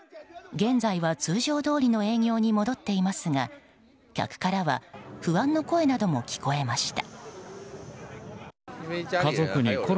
現在は通常どおりの営業に戻っていますが客からは不安の声なども聞かれました。